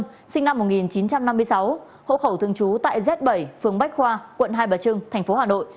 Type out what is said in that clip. sinh năm một nghìn chín trăm năm mươi sáu hộ khẩu thương chú tại z bảy phường bách khoa quận hai bà trưng thành phố hà nội